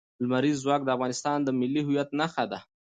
لمریز ځواک د افغانستان د ملي هویت نښه ده.